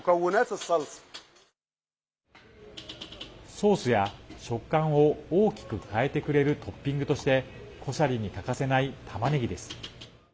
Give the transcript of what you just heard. ソースや食感を大きく変えてくれるトッピングとしてコシャリに欠かせないたまねぎです。